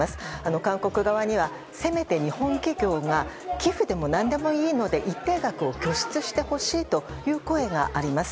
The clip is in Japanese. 韓国側には、せめて日本企業が寄付でも何でもいいので一定額を拠出してほしいという声があります。